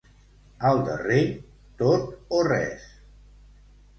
Al darrer, tot o res.